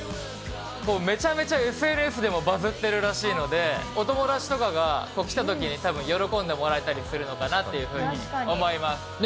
めちゃめちゃＳＮＳでもバズってるらしいので、お友達とかが来たときに、たぶん喜んでもらえたりするのかなというふうに思います。